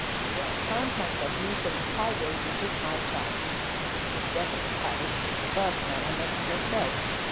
So I turned myself loose on the high road and took my chance. As the devil would have it, the first man I met was yourself.